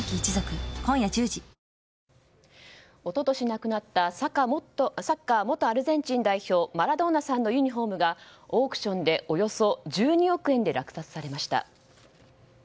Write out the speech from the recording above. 亡くなったサッカー元アルゼンチン代表マラドーナさんのユニホームがオークションでおよそ１２億円で落札されました。